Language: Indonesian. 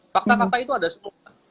fakta fakta itu ada semua